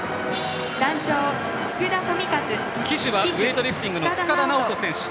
旗手はウエイトリフティングの塚田直人選手。